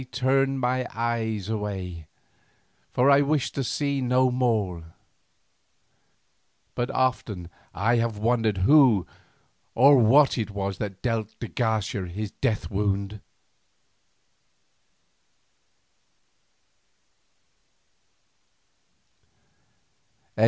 I turned away my eyes, for I wished to see no more; but often I have wondered Who or What it was that dealt de Garcia his death wound.